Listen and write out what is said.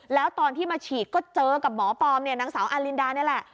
แล้วตอนที่มาฉีดก็เจอกับหมอปลอมเนี่ยนางสาวอารินดานี่แหละ